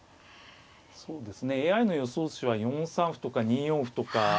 そうですねＡＩの予想手は４三歩とか２四歩とか。